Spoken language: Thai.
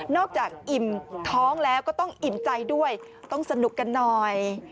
จากอิ่มท้องแล้วก็ต้องอิ่มใจด้วยต้องสนุกกันหน่อย